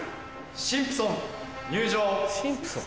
シンプソン入場。